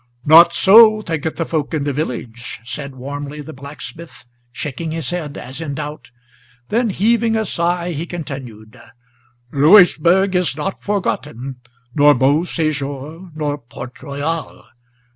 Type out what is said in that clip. "Not so thinketh the folk in the village," said, warmly, the blacksmith, Shaking his head, as in doubt; then, heaving a sigh, he continued: "Louisburg is not forgotten, nor Beau Séjour, nor Port Royal.